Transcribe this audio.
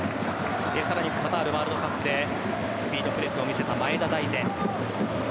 カタールワールドカップでスピードプレスを見せた前田大然。